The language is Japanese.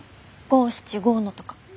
五七五のとか。